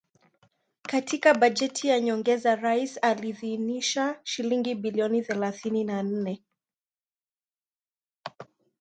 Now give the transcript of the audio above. Katika bajeti ya nyongeza Rais aliidhinisha shilingi bilioni thelathini na nne